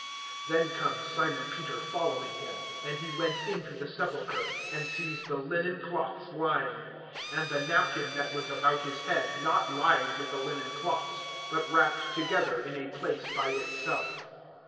(6)Then comes Simon Peter following him; and he went into the sepulchre, and sees the linen cloths lying, (7)and the napkin that was about his head not lying with the linen cloths, but wrapped together in a place by itself.